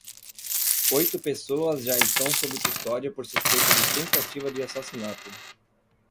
Oito pessoas já estão sob custódia por suspeita de tentativa de assassinato.